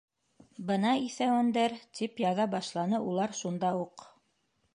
—Бына иҫәүәндәр! —тип яҙа башланы улар шунда уҡ.